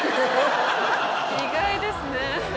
意外ですね。